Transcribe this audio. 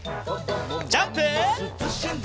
ジャンプ！